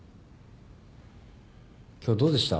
今日どうでした？